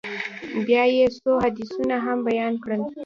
بيا يې څو حديثونه هم بيان کړل.